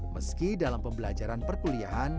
meski dalam pembelajaran perkuliahan